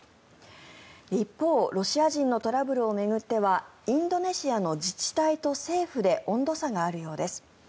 一方、ロシア人のトラブルを巡ってはインドネシアの自治体と政府で温度差があるようです。